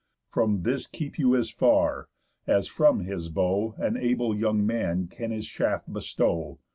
From this keep you as far, as from his bow An able young man can his shaft bestow.